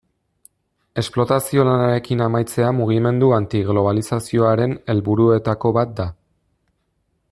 Esplotazio lanarekin amaitzea mugimendu anti-globalizazioaren helburuetako bat da.